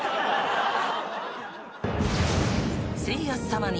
［せい康さまに］